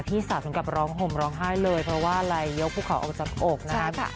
พี่สาวถึงกับร้องห่มร้องไห้เลยเพราะว่าอะไรยกภูเขาออกจากอกนะครับ